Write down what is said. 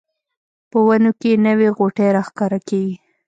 په ونو کې نوې غوټۍ راښکاره کیږي